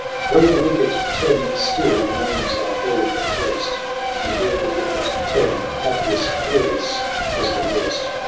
Of all the wicked Ten still the names are held accursed, And of all the wicked Ten Appius Claudius was the worst.